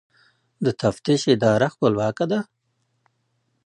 د تفتیش اداره خپلواکه ده؟